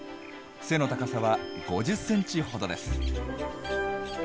背の高さは５０センチほどです。